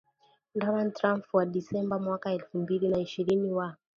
Donald Trump wa Disemba mwaka elfu mbili na ishirini wa